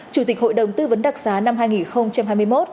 chủ tịch hội đồng tư vấn đặc xá năm hai nghìn hai mươi một